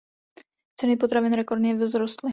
Ceny potravin rekordně vzrostly.